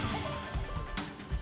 kami segera kembali